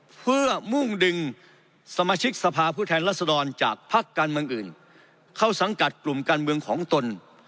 เพื่อมุ่งดึงสมาชิกสภาพผู้แทนรัศดรจากภักดิ์การเมืองอื่นเข้าสังกัดกลุ่มการเมืองของตน